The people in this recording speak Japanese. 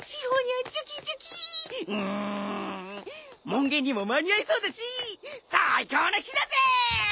門限にも間に合いそうだし最高の日だぜ！